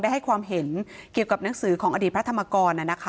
ให้ความเห็นเกี่ยวกับหนังสือของอดีตพระธรรมกร